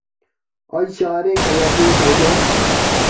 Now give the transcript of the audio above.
ئاي شارى قەيەردىن كەلگەن؟